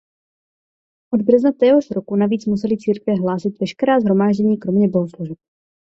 Od března téhož roku navíc musely církve hlásit veškerá shromáždění kromě bohoslužeb.